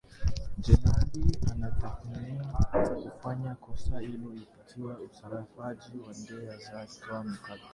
Jebali anatuhumiwa kufanya kosa hilo kupitia usafirishaji wa fedha za kigeni kwa shirika la misaada nchini Tunisia kulingana na wizara ya mambo ya ndani